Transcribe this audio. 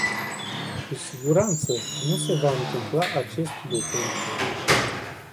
Cu siguranță nu se va întâmpla acest lucru.